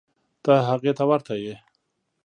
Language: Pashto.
ته هغې ته ورته یې.